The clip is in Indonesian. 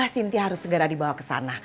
sintia harus segera dibawa ke sana